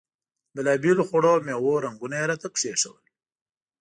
د بېلابېلو خوړو او میوو رنګونه یې راته کېښودل.